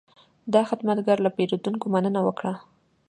دا خدمتګر له پیرودونکو مننه وکړه.